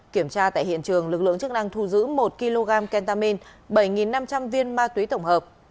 kiểm tra tại hiện trường lực lượng chức năng thu giữ một kg kentamin bảy năm trăm linh viên ma túy tổng hợp